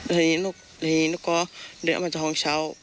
แล้วทีนี้หนูแล้วทีนี้หนูก็เดินออกมาจากห้องเช้า